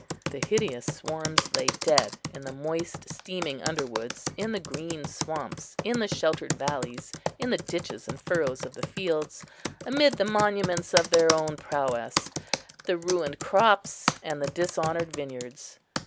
The hideous swarms lay dead in the moist steaming underwoods, in the green swamps, in the sheltered valleys, in the ditches and furrows of the fields, amid the monuments of their own prowess, the ruined crops and the dishonoured vineyards.